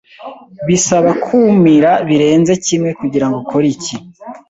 Bisaba kumira birenze kimwe kugirango ukore icyi.